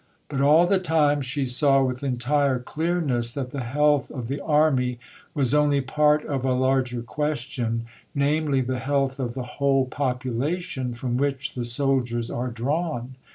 But all the time she saw with entire clearness that the health of the Army was only part of a larger question; namely, the health of the whole population from which the soldiers are drawn.